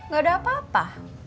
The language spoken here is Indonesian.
gak ada apa apa